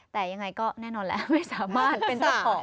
แต่ยังไงก็แน่นอนแล้วไม่สามารถเป็นเจ้าของ